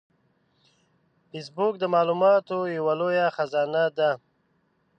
فېسبوک د معلوماتو یو لوی خزانه ده